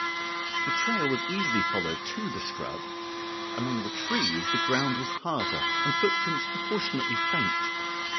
The trail was easily followed to the scrub: among the trees the ground was harder and footprints proportionately faint.